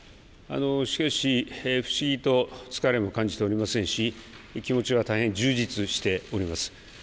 しかし、不思議と疲れも感じておりませんし、気持ちは大変充実しております。